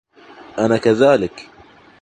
أنا كذلك